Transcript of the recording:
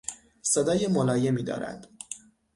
صدای ملایمی دارد.